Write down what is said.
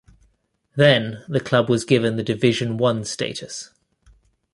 Then, the club was given the Division One status.